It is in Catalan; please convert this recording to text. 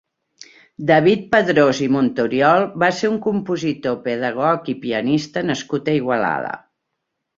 David Padrós i Montoriol va ser un compositor, pedagog i pianista nascut a Igualada.